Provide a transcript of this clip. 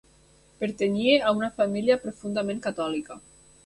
Pertanyia a una família profundament catòlica.